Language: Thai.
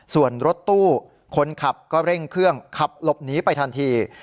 ส่วนรถตู้คนขับก็เร่งเครื่องขับหลบหนีไปทันที